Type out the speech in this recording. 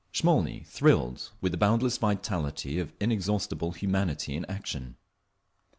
Smolny thrilled with the boundless vitality of inexhaustible humanity in action.